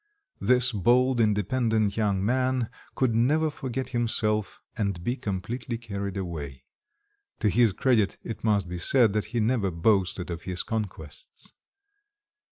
This bold, independent young man could never forget himself and be completely carried away. To his credit it must be said, that he never boasted of his conquests.